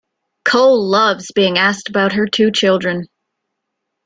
Cole loves being asked about her two children.